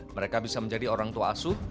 mereka bisa menjadi orang tua asuh